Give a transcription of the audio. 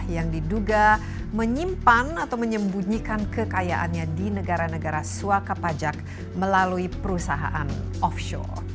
yang diduga menyimpan atau menyembunyikan kekayaannya di negara negara swaka pajak melalui perusahaan offshow